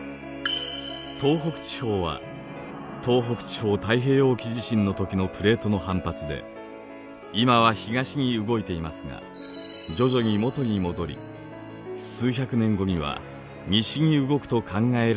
東北地方は東北地方太平洋沖地震の時のプレートの反発で今は東に動いていますが徐々に元に戻り数百年後には西に動くと考えられています。